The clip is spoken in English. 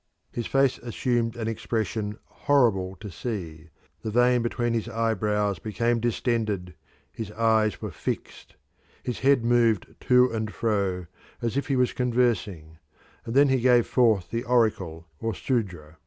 His face assumed an expression horrible to see; the vein between his eyebrows became distended; his eyes were fixed; his head moved to and fro, as if he was conversing; and then he gave forth the oracle or sudra.